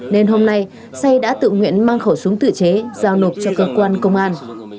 nên hôm nay say đã tự nguyện mang khẩu súng tự chế giao nộp cho cơ quan công an